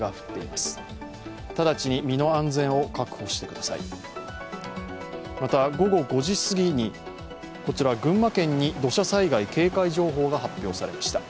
また、午後５時すぎに群馬県に土砂災害警戒情報が発表されました。